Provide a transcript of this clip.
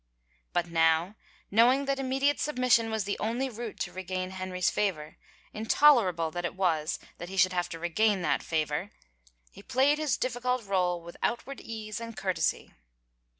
But now, knowing that immediate submission was the only route to regain Henry's favor — intolerable that it was that he should have to regain that favor 1 — he played his difficult role with outward ease and courtesy.